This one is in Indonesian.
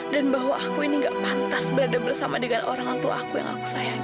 dan bahwa aku ini gak pantas berada bersama dengan orangtuaku yang aku sayangi